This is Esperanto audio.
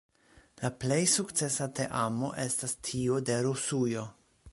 La plej sukcesa teamo estas tio de Rusujo.